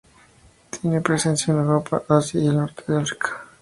Tiene presencia en Europa, Asia y el norte de África.